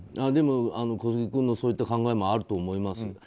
でも小杉君のそういった考えもあると思います。